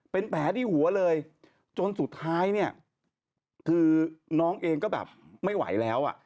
เป็นแผลที่หัวเลยจนสุดท้ายเนี่ยคือน้องเองก็แบบไม่ไหวแล้วอ่ะ